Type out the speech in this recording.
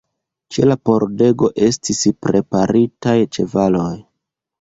Ĉe la pordego estis preparitaj ĉevaloj.